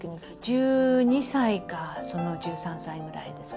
１２歳か１３歳ぐらいですかね。